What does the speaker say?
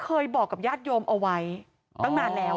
เคยบอกกับญาติโยมเอาไว้ตั้งนานแล้ว